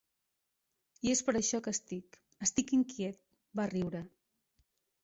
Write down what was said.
I és per això que estic, estic inquiet, va riure.